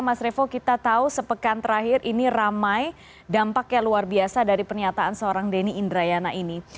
mas revo kita tahu sepekan terakhir ini ramai dampaknya luar biasa dari pernyataan seorang denny indrayana ini